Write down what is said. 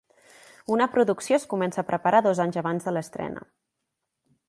Una producció es comença a preparar dos anys abans de l'estrena.